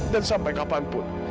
dan sampai kapanpun